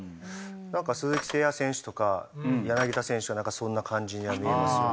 なんか鈴木誠也選手とか柳田選手はなんかそんな感じには見えますよね。